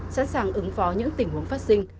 sẵn sàng ứng phó những tiến sử